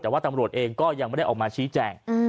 แต่ว่าตำรวจเองก็ยังไม่ได้ออกมาชี้แจง